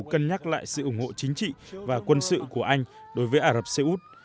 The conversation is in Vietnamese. cân nhắc lại sự ủng hộ chính trị và quân sự của anh đối với ả rập xê út